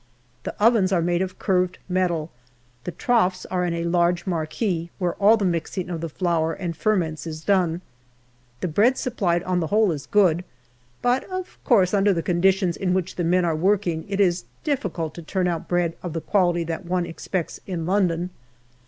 The ovens are made of curved metal ; the troughs are in a large marquee, where all the mixing of the flour and ferments is done. The bread supplied on the whole is good, but of course, under the conditions in which the men are working it is difficult to turn out bread of the quality that one expects in London.